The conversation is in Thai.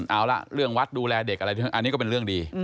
เอาล่ะเรื่องวัดดูแลเด็กอะไรอันนี้ก็เป็นเรื่องดี